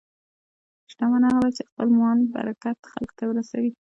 شتمن هغه دی چې د خپل مال برکت خلکو ته رسوي.